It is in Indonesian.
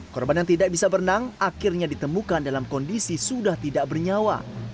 korban yang tidak bisa berenang akhirnya ditemukan dalam kondisi sudah tidak bernyawa